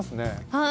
はい。